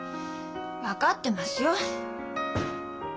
分かってますよ！